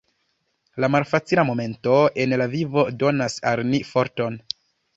La malfacila momento en la vivo donas al ni forton.